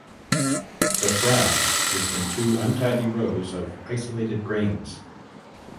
The frass is in two untidy rows of isolated grains.